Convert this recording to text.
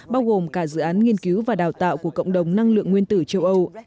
bao gồm cả dự án nghiên cứu và đào tạo của cộng đồng năng lượng nguyên tử châu âu